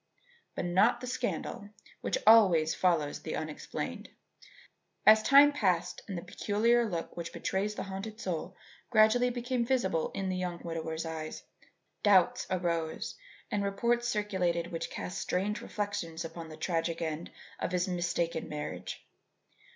But not the scandal which always follows the unexplained. As time passed and the peculiar look which betrays the haunted soul gradually became visible in the young widower's eyes, doubts arose and reports circulated which cast strange reflections upon the tragic end of his mistaken marriage.